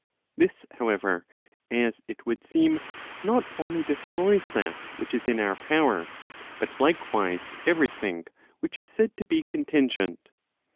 This, however, as it would seem, not only destroys that which is in our power, but likewise every thing which is said to be contingent.